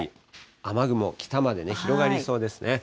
雨雲、北まで広がりそうですね。